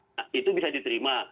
nah itu bisa diterima